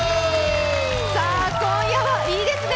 今夜は、いいですね。